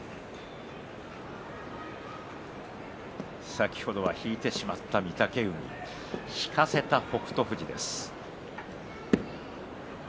先ほどは引いてしまった御嶽海引かせた北勝富士です。